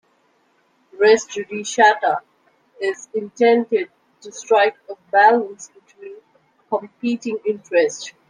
"Res judicata" is intended to strike a balance between competing interests.